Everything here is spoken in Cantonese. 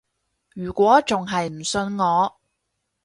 如果仲係唔信我